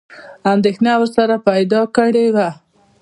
انېدښنه ورسره پیدا کړې وه.